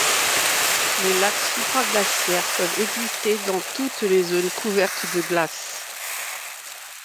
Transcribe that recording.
Les lacs supraglaciaires peuvent exister dans toutes les zones couvertes de glace.